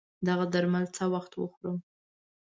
دغه درمل څه وخت وخورم